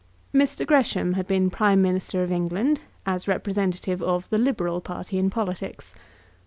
Mr. Gresham had been Prime Minister of England, as representative of the Liberal party in politics.